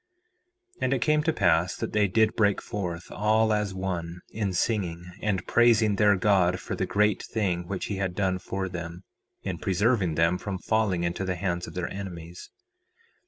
4:31 And it came to pass that they did break forth, all as one, in singing, and praising their God for the great thing which he had done for them, in preserving them from falling into the hands of their enemies.